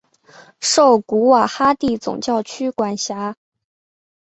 受古瓦哈蒂总教区管辖。